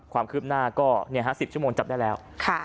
ความคืบหน้าก็๑๐ชั่วโมงจับได้แล้ว